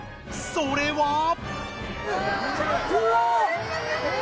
それは。